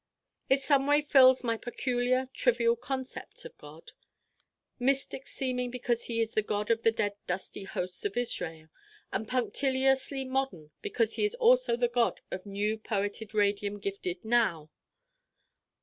It someway fills my peculiar trivial concepts of God: mystic seeming because he is the God of the dead dusty hosts of Israel, and punctiliously modern because he is also the God of new poeted radium gifted Now.